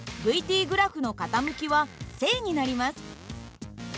ｔグラフの傾きは正になります。